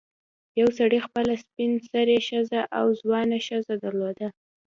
یو سړي خپله سپین سرې ښځه او ځوانه ښځه درلوده.